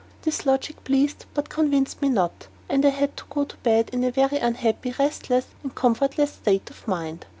This logic pleased but convinced me not, and I had to go to bed in a very unhappy, restless, and comfortless state of mind.